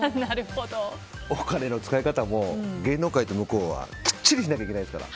お金の使い方も芸能界と向こうはきっちりしなきゃいけないですから。